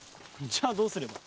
じゃあどうすれば。